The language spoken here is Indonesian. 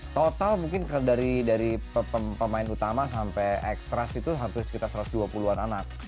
total mungkin dari pemain utama sampai ekstras itu sekitar satu ratus dua puluh an anak